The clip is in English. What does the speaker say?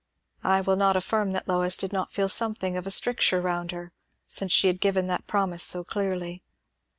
I will not affirm that Lois did not feel something of a stricture round her, since she had given that promise so clearly.